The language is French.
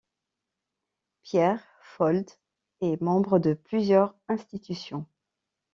Pierre Foldes est membre de plusieurs institutions.